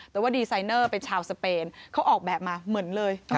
แต่ว่าดีไซเนอร์เป็นชาวสเปนเขาออกแบบมาเหมือนเลย